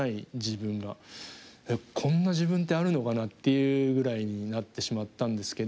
こんな自分ってあるのかなっていうぐらいになってしまったんですけど。